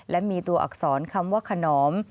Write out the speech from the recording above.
และมีตัวอักษรคำว่าขนอม